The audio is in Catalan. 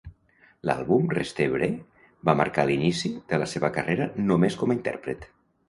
L'àlbum "Rester vrai" va marcar l'inici de la seva carrera només com a intèrpret.